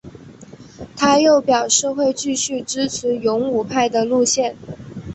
他又表示会继续支持勇武派的路线。